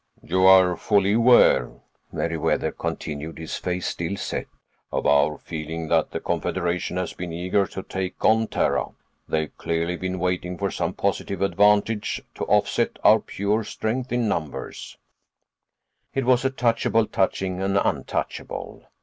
"You are fully aware," Meriwether continued, his face still set, "of our feeling that the Confederation has been eager to take on Terra. They've clearly been waiting for some positive advantage to offset our pure strength in numbers." [Illustration: __It was a touchable touching an untouchable.